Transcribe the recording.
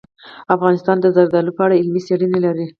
افغانستان د زردالو په اړه علمي څېړنې لري.